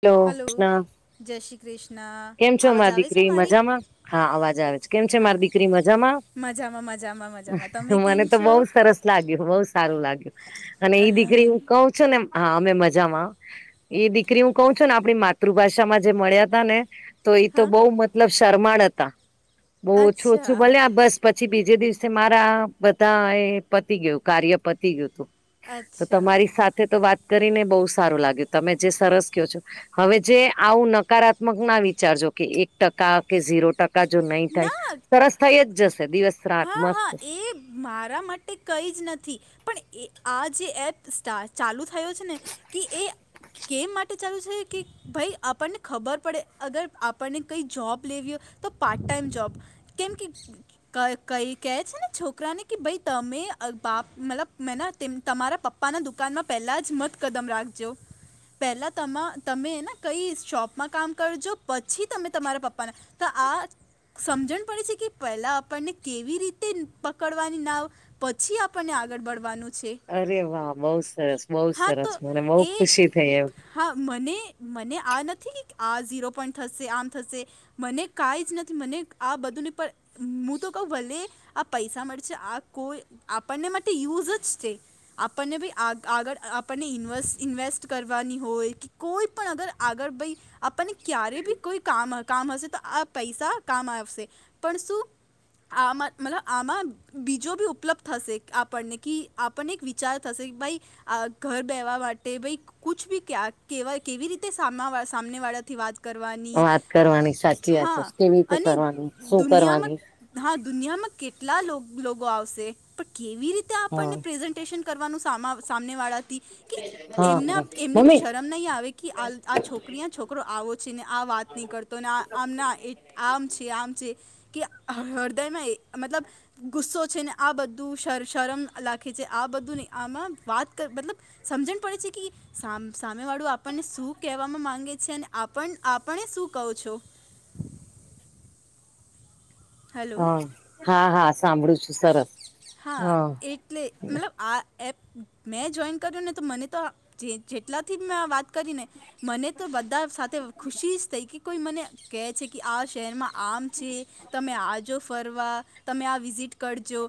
Hello Krishna જય શ્રી કૃષ્ણ કેમ છો આવાજ મારી આવે છે દીકરી મારી મજામાં હા અવાજ આવે છે કેમ છે હા મારી દીકરી મજામાં મજામાં મજામાં મજામાં તમે કેમ મને તો છો બહ સરસ લાગ્યું બહ સારું લાગ્યું અને એઈ દીકરી હું કહું છું ો ને હા અમે મજામાં એ દીકરી હું કઉ છું ને આપણી માતૃભાષામાં જે મળ્યા હતા ને તો એ તો હા બઉુ મતલબ શરમાળ હતા બહુ ઓછું અચ્છા ઓછું ભલે આ બસ પછી બીજે દિવસે મારા બધા એ પતી ગયું કાર્ય પતી ગયું હતું તો અચ્છા તમારી સાથે તો વાત કરીને બહુ સારું લાગ્યું તમે જે સરસ કો છો હવે જે આવું નકારાત્મક ના વિચારજો કે એક ટકા કે ઝીરો ટકા જો નહી થાય ના સરસ થાય જ જશે દિવસ રાત હા મસ્ત હા એ મારા માટે કંઈ જ નથી પણ એ આ જે એપ સ્ટાર ચાલુ થયો છે ને કે એ કેમ માટે ચાલુ છે કે ભાઈ આપણને ખબર પડે અગર આપણને કઈ જોબ લેવી હોય તો પાર્ટ ટાઈમ જબ કેમ કે ક કઈ કહે છે ને છોકરાને કે ભાઈ તમે બાપ મતલબ મેને તમારા પપ્પાના દુકાનમાં પહેલા જ મત કદમ રાખજો પહેલાં તમા તમેને કંઈ શોપમાં કામ કરજો પછી તમે તમારા પપ્પાને તો આ સમજણ પડે છે કે પહેલા આપણને કેવી રીતે પકડવાની નાવ પછી આપણને આગળ બળવાનું છે અરે વાહ બહુ સરસ બહુ હા તો સરસ મને બહુ એ ખુશી થઈ એમ હા મને મને આ નથી આ ઝીરો પોઈન્ટ થશે આમ થશે મને કાઈ જ નથી મને આ બધુંને પણ હું તો કહઉ ભલે આ પૈસા મળશે આ કોઈ આપણને માટે યુઝ જ છે આપણને બી આ આગળ આપણને ઇન્વે ઇન્વેસ્ટ કરવાની હોય કે કોઈ પણ અગર આગળ ભાઈ આપણને ક્યારેય બી કોઈ કામ કામ હશે તો આ પૈસા કામ આવશે પણ શું આમાં મતલબ આમાં બીજો બી ઉપલબ્ધ થશે આપણને ક પણ એક વિચાર થશે ભાઈ ઘર બેવા માટે ભ કછ બી ક કેવી રીતે સામ વાળાથી વાત કરવાની વાત કરવાની સાચી વાત છે હા કેવી રીતે અને કરવાની શું કરવાની દુનિયામાં હા દુનિયામાં કેટલા આવશે પણ કેવી રીતે હા આપણને પ્રેઝન્ટેશન કરવાનું સામને વાળા હતી કે હા એમના હા એમને બી મમ્મી શરમ આમ નહીં આવે કે આ છોકરી આ છોકરો આવો છે ને આ વાત નહી કરતો આ આમના આમ છે આમ છે કે હૃદયમાં મતલબ ગુસ્સો છે ને આ બધું શરમ લખે છે આ બધું આમાં વાત મતલબ સમજણ પડે છે કે સા સામે વાળું આપણને શું કહેવામાં માંગે છે અને આપ આપને શું કહો છો હ હેલો હા હા સાંભળું છું સરસ હા એટલે મતલબ આ એપ મેં જોઈન કર્યું ને તો મને તો જે જેટલાથી મેં આ વાત કરીને મને તો બધા ખુશી જ થઈ કે કોઈ મને કહે છે કે આ શહેરમાં આમ છે તમે આજો ફરવા તમે આ વિઝિટ કરજો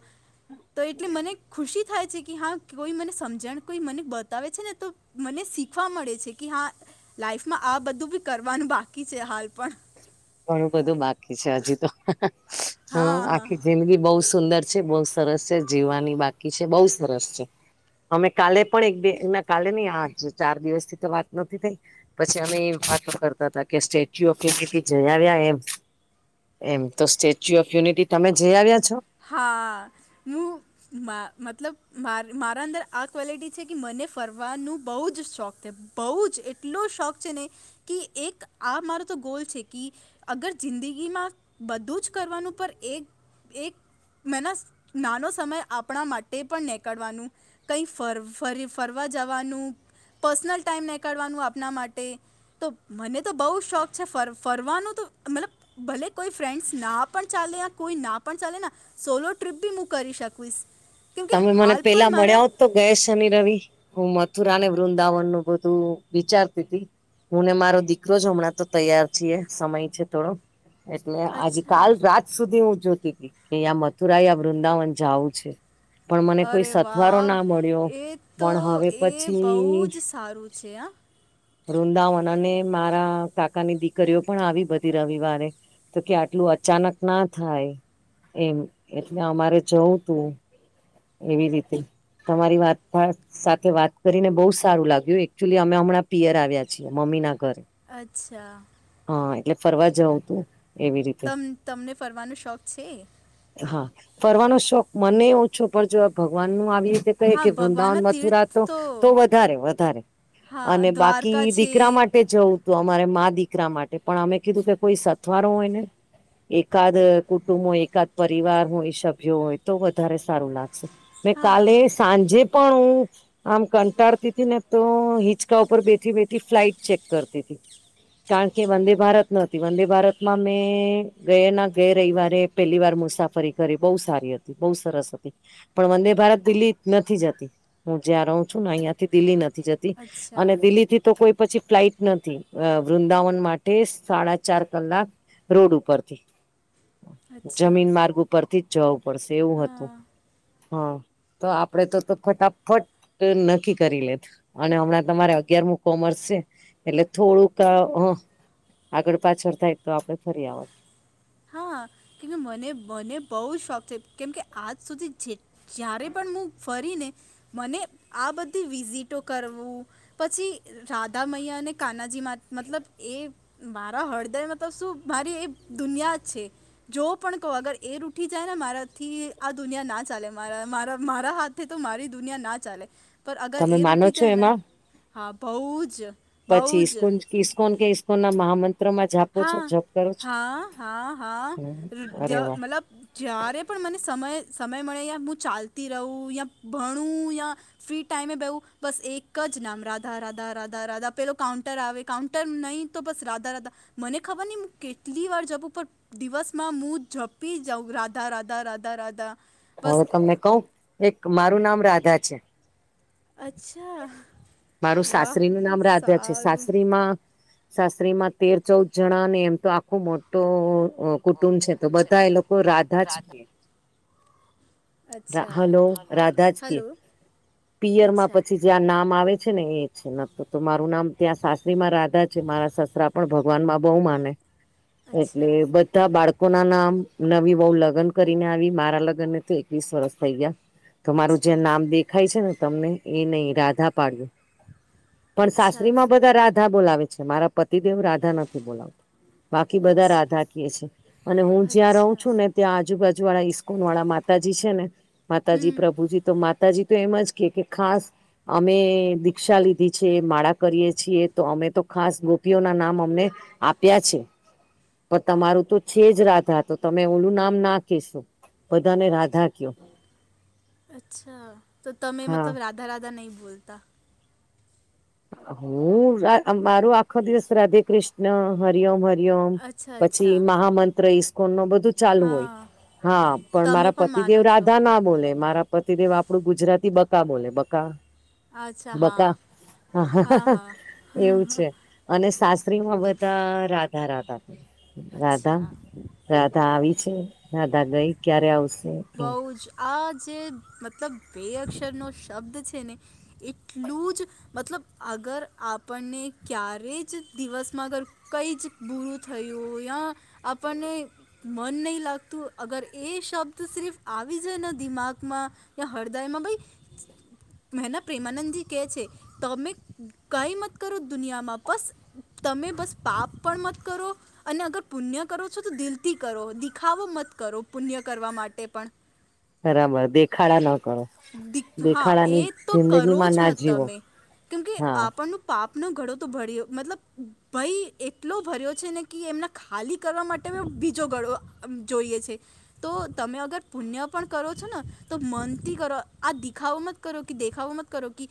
તો એટલે મને ખુશી થાય છે કે હા કોઈ મને સમજણ કોઈ મને બતાવે છે ને તો મને શીખવા મળે છે કે હા લાાઈફમાં આ બધું બી કરવાનું બાકી છે હાલ પણ ઘણું બધું બાકી છે હજી તો હ હા હા આખી જિંદગી બહુ સુંદર છે બહ સરસ છે જીવવાની બાકી છે બહુ સરસ છે અમે કાલે પણ એક બે એના કાલે નહી આજ ચાર દિવસ થી તો વાત નથી થઈ પછી અમે એ વાત કરતા હતા કે સ્ટેચ્યુ ઓફ યુનિટી જઈ આવ્યા એમ એમ તો સ્ટેચ્યુ ઓફ યુનિટી તમે જઈ આવ્યા છો હા હું મા મતલબ માર મારા અંદર આ ક્વૉલિટી છે કે મને ફરવાનું બહુ જ શોખ છે. બહુ જ એટલો શોખ છે ને કે એક આ મારો તો ગોલ છે કી અગર જિંદગીમાં બધું જ કરવાનું પર એક એક મનસ નાનો સમય આપણા માટે પણ નીકળવાનું કઈ ફર ફ ફરવા જવાનું પર્સનલ ટાઈમ નહી કાઢવાનું આપના માટે તો મને તો બહુ જ શોખ છે ફર ફરવાનું તો મતલબ ભલે કોઈ ફ્રેન્ડસ ના પણ ચાલે કોઈ ના પણ ચાલેને સોલો ટ્રીપ બી હું કરી શકવીશ. તમે મને પેલા મળ્યા હો તો ગઈની રવિ હું મથુરાને વૃંદાવન નું બધું વિચારતી હતી હું ને મારો દીકરો જ હમણાં તો તૈયાર છીએ સમય છે થોડો એટલે આજ અચ્છા કાલ રાત સુધી હું જોતીતી કેં મથુરાઈ આ વૃંદાવન જાવું છે પણ મને કોઈ અરે સથવારો ના મળ્યો વાહ એ તો પણ હવે એ બહુ પછી જ સારું છે હા વૃંદાવન અને મારા કાકાની દીકરીઓ પણ આવી બધી રવિવારે તો કે આટલું અચાનક ના થાય એમ એટલે અમારે જોવું તું એવી રીતે તમારી વાત ખાસ સાથે વાત કરીને બહુ સારું લાગ્યું, એકચુલી અમે હમણાં પિયર આવ્યા છીએ મમ્મી ના ઘરે. અચ્છા! હા એટલે ફરવા જવં તું એવી રીતે તમ તમને ફરવાનો શોખ છે? હા ફરવાનો શોખ મને ઓછો પણ જો ભગવાન નું આવી રીતે ક હા કે વૃંદાવન ભગવાનના મથુરા તીર્થ તો તો વધારે વધારે હા અને બાકી દ્વારકા છે દીકરા માટે જ જવું હતું અમારે મા દીકરા માટે પણ અમે કીધું કે કોઈ સથવારો હોય ને એકાદ કુટુંબ હોય એકાદ પરિવાર હોય સભ્યો હોય તો વધારે સારું લાગશે મે હા કાલે સાંજે પણ હું આમ કંટાળતી હતીથી ને તો હિચકા ઉપર બેઠી બેઠી ફ્લાઇટ ચેક કરતી હતીથી કારણ કે વંદે ભારત નહોતી વંદે ભારતમાં મેં ગયા ના ગય રવિવારે પેલી વાર મુસાફરી કરી બહુ સારી હતી બહુ સરસ હતી. પણ વંદે ભારત દિલ્હી નથી જતી હું જ્યાં રહું છું ને અહીંયા દિલ્હી નથી જતી અચ્છા અને દિલ્હી થી તો કોઈ પછી ફ્લાઈટ નથી વૃંદાવન માટે સાડા ચાર કલાક રોડ ઉપરથી અચ્છા જમીન માર્ગ ઉપરથી જ જવું પડશે એવું હતું. હા હા તો આપડે તો તો ફટાફટ નક્કી કરી લેત. અને હમણાં તમારે અગિયારમું કૉમેર્સ છે એટલે થોડુંક આગળ પાછળ થાય તો આપડે ફરી આવત. હા કેમ મને મને બહુ શોખ છે કેમકે આજ સુધી જે જ્યારે પણ હું ફરીને મને આ બધી વિઝિટો કરવું પછી રાધાામૈયા અને કાનાજીમાં મતલબ એ મારા હળદય મતલબ શું મારી એ દુનિયા જ છે. જો પણ કહો અગર એ ર ઉઠી જાય ને મારાથી આ દુનિયા ના ચાલે મારા મારા મારા હાથ તો મારી દુનિયા ના ચાલે પણ અગર તમે એ માનો ઉઠી છો જાય ને એમાં હા બહુ જ બહુ પછી જ ઇસ્કોન ઇસ્કોન કે ઇસ્કોન ના મહમંત હા હા હા હા અરે વાહ મતલબ જ્યારે પણ મને સમય સમય મળે યા હું ચાલતી રહું યાં ભણું યાં ફ્રી ટાઈમે બેવું બસ એક જ નામ રાધા રાધા રાધા રાધા પેલો કાઉન્ટર આવે કાઉન્ટર નહીં તો બસ રાધા રાધા મને ખબર નહી હું કેટલી વાર જબ ઉપર દિવસમા હુ, જઝપી જાઉં રાધા રાધા રાધા રાધા. હવે બસ તમને કઉ એક મારું નામ રાધા છે. અચ્છા મારું વાહ સાસરીનુ નામ રાધા છે, સારું સાસરીમા શસ્ત્રીમાં તેર ચૌદ જણા અને એમ તો આખું મો કુટુંબ છે તો બધા એ લોકો રાધા જ કે અચ્છા હલો, રાધા જ કે હલો પિયર માં અચ્છા પછી જ્યાં નામ આવે છેને, એ છે ન તો મારું નામ ત્યાં સાસ્રીમાં રાધા છે, મારા સસરા પણ ભગવાન બાબાવ માને એટલે અચ્છા બધા બાળકો ના નામ નવી બહ લગ્ન કરીને આવી મારા અલગનને તો એકવીસ વરષ થઈ ગયા તો મારું જે અચ્છા નામ દે ખાય છે ને તમને એ નહી રાધા પાડ્યું પણ શાસ્ત્રી અચ્છા માં બધા રાધા બધા બોલાવે છે, મારા પતિદેવ રાધા નથી બોલાવતા બાકી બધા અચ્છા રાધા ક છે અને હું જ્યાં રહઉું છુ, અચ્છા ને ત્યાં આજુબાજુ વાળા ઈસ્કોન વાળા માતાજી છે, ને માતાજી હમ પ્રભુજી તો જી તો એમ જ કે ખાસ અમે દીક્ષા લીધી છે, માળા કરીએ છીએ તો અમે તો ખાસ ગોપીઓના નામ અમને આપ્યા છે પણ તમારું તો છે જ રાધા તો તમે ઓલું નામ ના કહેશો બધાને રાધા અચ્છા તો તમે હા મતલબ રાધા રાધા નહી બોલતા. હું મારો આખો દિવસ રાધે કૃષ્ણ હર ઓમ હર અચ્છા પછી અચ્છા મહામંત્ર ઈસ્કોન નો બધુ ચાલુ હોય હા હા પણ તમે મારા પતિદેવ માનો છો રાધા ના બોલે મારા પતિદેવ આપણું ગુજરાતી બકા બોલે બકા અચ્છા હા હા એવું છે. અને શાસ્ત્રી માં બધા રાધા રાધા રાધા અચ્છા રાધા આવી છે રાધા ગઈ ક્યારે આવશે એમ. બઉ જ આ જે મતલબ બે અક્ષર નો શબ્દ છેને એટલું જ મતલબ અગર આપણને ક્યારે જ દિવસમાં અગર કઈ જ બૂરું થયું યા આપણને મન નહીં લાગતું અગર એ શબ્દ તુ સિર્ફ આવી જાય દિમાગમાં યા હૃદયમાં ભાઈ મહેના પ્રેમાનંદજી કહે છે તમે કઈ મત કરો દુનિયામાં બસ તમે બસ પાપ પણ મત કરો અને અગર પુણ્ય કરો છો, તો દિલ થી કરો દિખાવો મત કરો પુણ્ય કરવા માટે ટે પણ બરાબર દેખાડા ન કરો હા એ દેખાડાની તો કરો જિંદગીમાં જ મ ના જીવો તમે કેમકે હા આપણનું પાપનો ઘડો તો ભળ મતલબ ભાઈ એટલો ભર્યો છે ને કે એમને ખાલી કરવા માટે બીજો ગડો જોઈએ છે. તો તમે અગર પુણ્ય પણ કરો છો ને તો મનથી કરો આ દીખાવો મત કરો કે દેખાવોમાં મત કરો કે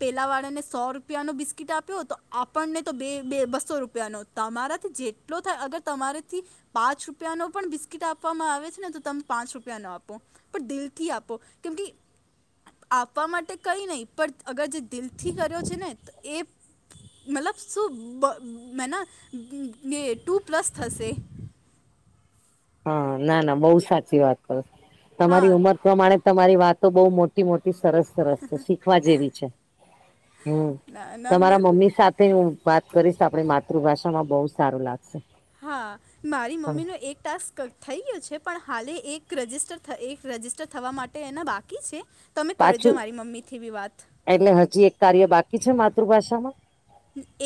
પેલા વાળાને સો રૂપિયાનો બિસ્કીટ આપ્યો તો આપણને તો બે બે બસ્સો રૂપિયાનો તમારાથી જેટલો થાય અગર તમારેથી પાંચ રૂપિયાનો પણ બિસ્કીટ આપવામાં આવે છેને, તો તમ પાંચ રૂપિયા નો આપો પણ દિલથી આપો કેમ કે આપવા માટે કઈ નહીિ પણ અગર જે દિલથી કર્યો છેને, એ મતલબ શું મને ટુ પ્લસ થશે. હા ના ના બહુ સાચી વાત કરો હા તમારી ઉંમર પ્રમાણે તમારી વાતો બહુ મોટી મોટી સરસ સરસ છે શીખવા જેવી છે, હમ્મ ના ના તમારા મેં મમ્મી સાથે હુ વાત કરીશ આપણી માતૃભાષામાં બહું સારું લાગશે હા મારી મમ્મી નો એક ટાસ્ક થઈ ગયો છે પણ હા એક રસ્ટર એક રજિસ્ટર થવા માટે એના બાકી છે તમે કરજો પાછું મારી મમ્મી થી બી વાત એટલે હજી એક કાર્ય બાકી છે માતૃભાષામાં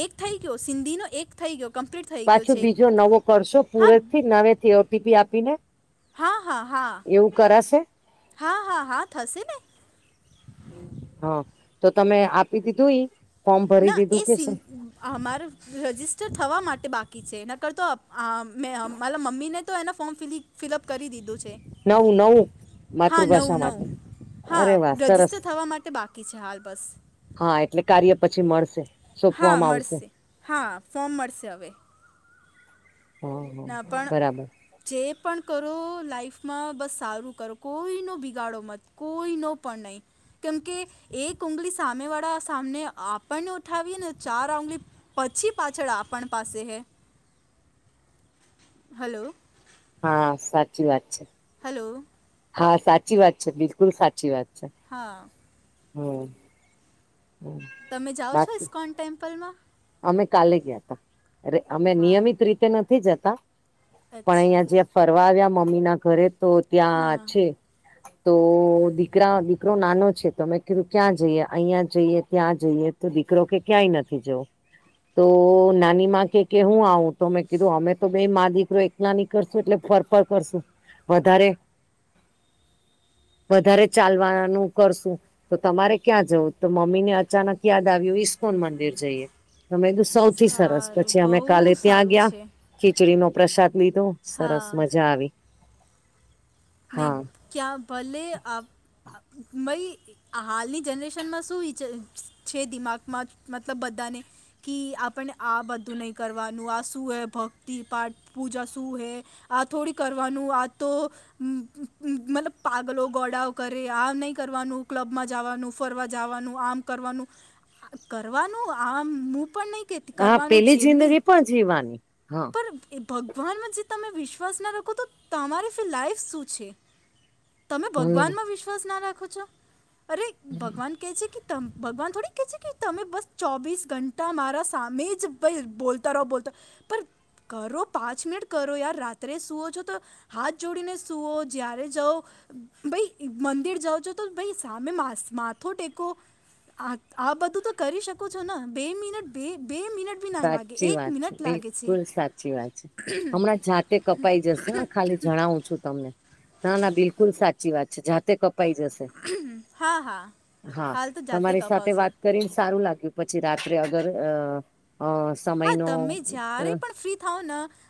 એક થઈ ગયો સિંધીનો એક થઈગયો કમ્પલીટ થઈ ગયો પાછું છે એક બીજો નવો કરશો હા પૂરે થી નવે થી ઓટીપી આપીને હા હા હા એવું કરાશે હા હા હા થશે ને હા તો તમે આપી દીધું ઈ ફોર્મ ભરી દીધું કે સુ અમારે રજિસ્ટર થવા માટે બાકી છે નકરતો મે માલા મમ્મી ને તો એના ફોર્મ ફિલઅપ કરી દીધું છે નવું નવું હા માતૃભાષા નવું માટે નવું હા અરે વાહ સરસ રજિસ્ટર થવા માટે બાકી છે હાલ બસ હા એટલે કાર્ય પછી મળશે હા સોંપવામાં આવશે મળશે હા ફોમ મળશે હવે હા હા ના પણ બરાબર જે પણ કરો લાઈફમાં બસ સારું કરો કોઈનો બિગાડો મત કોઈનો પણ નહીં કેમકે એક ઉગળી સામે વાળા સામને આપણને ઉઠાવીએ ને ચાર આંગળી પછી પાછળ આપણ પાસે હે હલો હા સાચી વાત છે હલો હા સાચી વાત છે બિલકુલ સાચી વાત છે હા હમ્મ તમે જાઓ છો બાકી ઇસ્કોન ટેમ્પલમાં અમે કાલે ગયા તા અ અમે વાહ નિયમિત રીતે નથી જતા પણ અચ્છા અહિયા જ્યાં ફરવા આવ્યા મમ્મી ના ઘરે તો હા ત્યાં છે તો દીકરા દીકરો નાનો છે તો મેં કીધું ક્યાં જઈએ અહીંયા જઈએ ત્યાં જઈએ તો દીકરો કે ક્યાંય નથી જોવ તો નાની માં કે કે હું આવું તો મેં કીધું અમે તો બે માં દીકરો એક નાની કરશું એટલે ફર ફર કરશું વધારે વધારે ચાલવાનું કરશું તો તમારે ક્યાં જવું? તો મમ્મી ને અચાનક યાદ આવ્યું ઈસ્કોન મંદિર જઈએ. તો મે કીધુ સૌથી સરસ સારું પછી અમે કાલે બહુ ત્યાં સારું ગયા છે ખીચડીનો પ્રસાદ લીધો સરસ હા મજા આવી નહીં હા ક્યા ભલે આપ ભાઈ આ હાલની જનરેશનમાં શું વિચાર છે દિમાગમાં મતલબ બધાને કે આપણે આ બધું નહી કરવાનું આ શું હે ભક્તિ પાઠ પૂજા શું હૈ આ થોડી કરવાનું આ તો મ, મતલબ પાગલો લોકો કરે આ નહીં કરવાનું ક્લબમાં જવાનું, ફરવા જવાનું, આમ કરવાનું કરવાનું આમું પણ નહી હા કરવાનું પેલી જેમની જિંદગી પણ જીવવાની હા પણ એ ભગ ભગવાનમાં જે તમે વિશ્વાસ ના રાખો તો તમારી લાઈફ શું છે? તમે હમ ભગવાન માં વિશ્વાસ ના રાખો છો અરે ભગવાન ભગવાન થોડીક કે છે કે તમે બસ ચોવીસ ઘંટા મારા સામે જ બોલ બધુ બોલતા પર કરો પાંચ મિનિટ કરો યાર રાત્રે સુવો છો તો હાથ જોડીને સુુંઓ જ્યારે જાઓ. ભાઈ મંદિર જાવ છો તો ભાઈ સામે માથો ટેકો. આ આ બધું તો કરી શકો છો ને બે મિનટ બે બે મિનટ સાચી વાત છે બિલકુલ સાચી વાત છે. હમણાં જાતે કપાઈ જશે હા ખાલી જણાવું છું તમને. ના ના બિલકુલ સાચી વાત છે જાતે કપ પાઈ જશે હા હા હા હાલ તો જાતે તમારી સાથે કપાવશે વાત કરીને સારું લાગ્યું. પછી રાત્રે અગર અ અ હા સમયનો તમે અ જયારે પણ ફ્રી થાવ ન